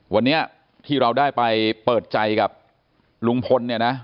วันนี้ที่เราได้ไปเปิดใจกับลุงพลเนี่ยนะ